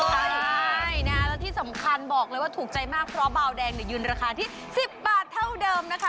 ใช่นะแล้วที่สำคัญบอกเลยว่าถูกใจมากเพราะเบาแดงเนี่ยยืนราคาที่๑๐บาทเท่าเดิมนะคะ